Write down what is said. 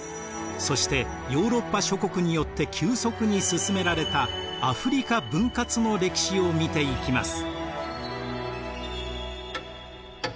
そしてヨーロッパ諸国によって急速に進められたアフリカ分割の歴史を見ていきます。